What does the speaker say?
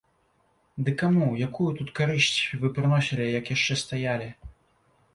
Ды каму, якую тут карысць вы прыносілі, як яшчэ стаялі?